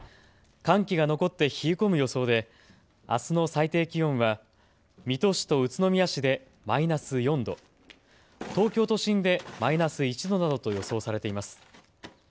寒気が残って冷え込む予想であすの最低気温は水戸市と宇都宮市でマイナス４度、東京都心でマイナス１度などと予想されています。